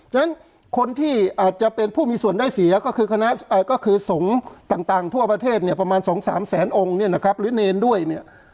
ฉะนั้นคนที่อาจจะเป็นผู้มีส่วนได้เสียก็คือคณะก็คือสงฆ์ต่างทั่วประเทศเนี่ยประมาณ๒๓แสนองค์เนี่ยนะครับหรือเนรด้วยเนี่ย